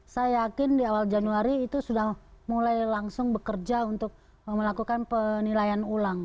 saya yakin di awal januari itu sudah mulai langsung bekerja untuk melakukan penilaian ulang